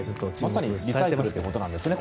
まさにリサイクルということなんですね